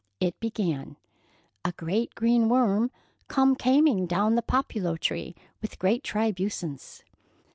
It began: A great green worm come cameing down the populo tree with great tribusence.